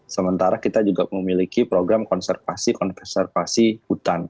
sementara kita juga memiliki program konservasi konservasi hutan